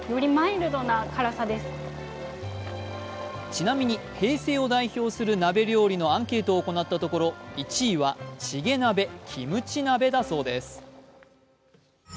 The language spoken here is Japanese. ちなみに平成を代表する鍋料理のアンケートを行ったところ１位はチゲ鍋・キムチ鍋だそうです。